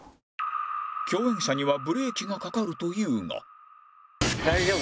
共演者にはブレーキがかかると言うが